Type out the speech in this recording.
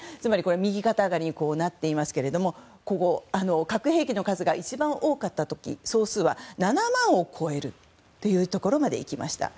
右肩上がりになっていますが核兵器の数が一番多かった時総数は７万を超えるところまで行きました。